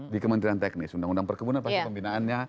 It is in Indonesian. di kementerian teknis undang undang perkebunan pasti pembinaannya